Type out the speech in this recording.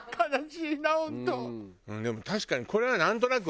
でも確かにこれはなんとなくわかる。